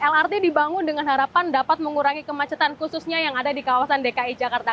lrt dibangun dengan harapan dapat mengurangi kemacetan khususnya yang ada di kawasan dki jakarta